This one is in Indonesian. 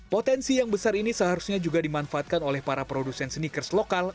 potensi yang besar ini seharusnya juga dimanfaatkan oleh para produsen sneakers lokal